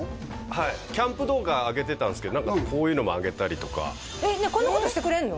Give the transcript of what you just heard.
はいキャンプ動画あげてたんですけどこういうのもあげたりとかえっこんなことしてくれんの？